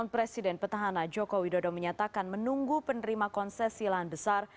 presiden petahana jokowi dodo menyatakan menunggu penerima konses silahan besar